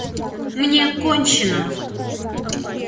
Мне — кончено!